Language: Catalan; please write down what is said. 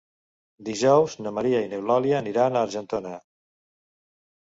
Dijous na Maria i n'Eulàlia aniran a Argentona.